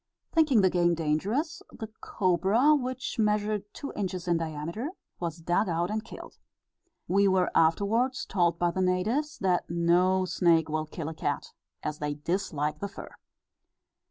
Thinking the game dangerous, the cobra, which measured two inches in diameter, was dug out and killed. We were afterwards told by the natives, that no snake will kill a cat, as they dislike the fur."